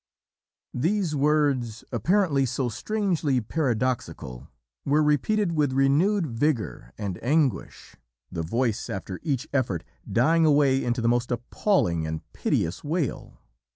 These words, apparently so strangely paradoxical, were repeated with renewed vigour and anguish, the voice after each effort dying away into the most appalling and piteous wail.